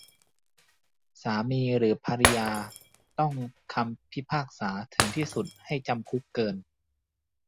สามีหรือภริยาต้องคำพิพากษาถึงที่สุดให้จำคุกเกิน